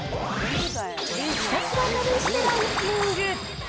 ひたすら試してランキング。